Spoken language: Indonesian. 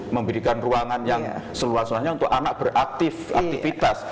memberikan ruangan yang seluas luasnya untuk anak beraktif aktivitas